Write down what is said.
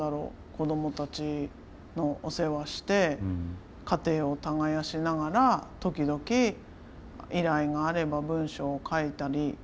子どもたちのお世話して家庭を耕しながら時々依頼があれば文章を書いたり。